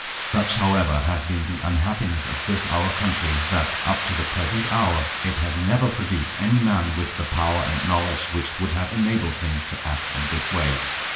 Such, however, has been the unhappiness of this our country, that, up to the present hour, it has never produced any man with the power and knowledge which would have enabled him to act in this way.